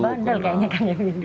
bandel kayaknya kayaknya gitu